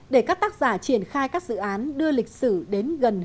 để các tác giả triển khai các dự án đưa lịch sử đến gần